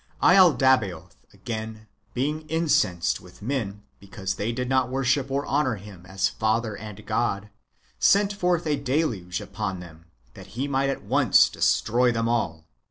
laldabaoth, again, being incensed with men, because they did not worship or honour him as father and God, sent forth a deluge upon them, that he might at once destroy them all.